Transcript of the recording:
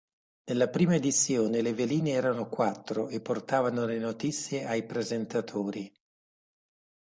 Nella prima edizione le veline erano quattro e portavano le notizie ai presentatori.